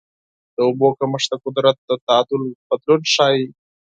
د اوبو کمښت د قدرت د تعادل بدلون ښيي.